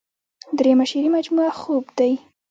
دريمه شعري مجموعه خوب دے ۔